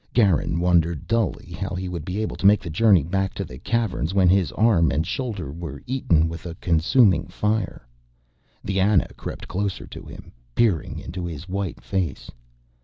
Garin wondered dully how he would be able to make the journey back to the Caverns when his arm and shoulder were eaten with a consuming fire. The Ana crept closer to him, peering into his white face.